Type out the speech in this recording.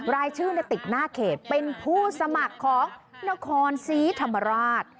รายชื่อติดหน้าเขตเป็นผู้สมัครของนครศรีธรรมราช